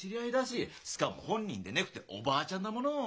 しかも本人でねぐておばあちゃんだもの。